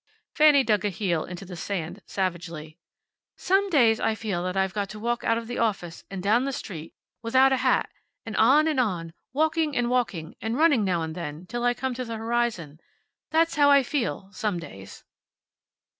Fanny dug a heel into the sand, savagely. "Some days I feel that I've got to walk out of the office, and down the street, without a hat, and on, and on, walking and walking, and running now and then, till I come to the horizon. That's how I feel, some days."